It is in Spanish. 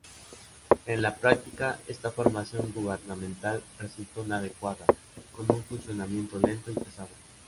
En la práctica, esta formación gubernamental resultó inadecuada, con un funcionamiento lento y pesado.